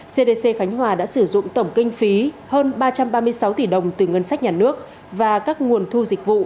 cdc khánh hòa đã sử dụng tổng kinh phí hơn ba trăm ba mươi sáu tỷ đồng từ ngân sách nhà nước và các nguồn thu dịch vụ